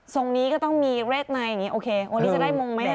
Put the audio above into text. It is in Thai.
นี้ก็ต้องมีเลขในอย่างนี้โอเควันนี้จะได้มงไหม